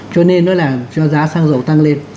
cho nên nó làm cho giá xăng dầu tăng lên